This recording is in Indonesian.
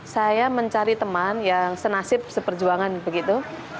saya mencari teman yang senasib seperjuangan begitu